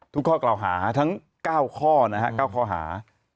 ข้อกล่าวหาทั้ง๙ข้อนะฮะ๙ข้อหา